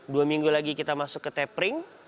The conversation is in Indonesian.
dua minggu lagi kita masuk ke tapering